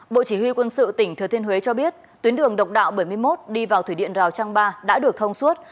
bộ chỉ huy quân sự tỉnh thừa thiên huế cho biết tuyến đường độc đạo bảy mươi một đi vào thủy điện rào trang ba đã được thông suốt